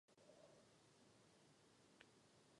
Již v mládí jevil poetický talent.